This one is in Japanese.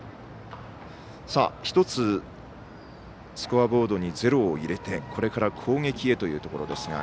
１つスコアボードにゼロを入れてこれから攻撃へというところです。